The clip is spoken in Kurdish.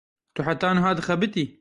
Tu heta niha dixebitî?